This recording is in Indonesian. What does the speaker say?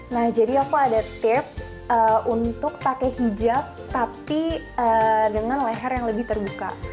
nah jadi aku ada tips untuk pakai hijab tapi dengan leher yang lebih terbuka